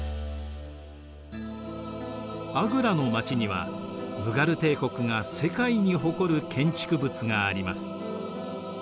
アグラの街にはムガル帝国が世界に誇る建築物があります。